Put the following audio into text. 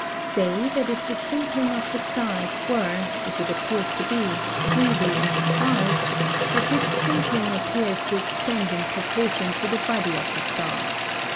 Say, that if the twinkling of the stars were, as it appears to be, really in the stars, that this twinkling appears to extend in proportion to the body of the star.